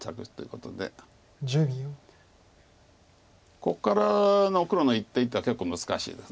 ここからの黒の一手一手は結構難しいです。